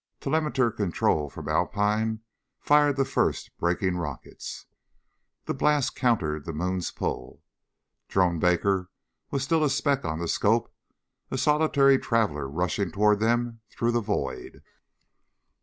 Telemeter control from Alpine fired the first braking rockets. The blast countered the moon's pull. Drone Baker was still a speck on the scope a solitary traveler rushing toward them through the void.